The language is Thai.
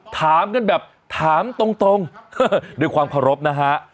ถามกันแบบถามตรงด้วยความเคารพนะฮะ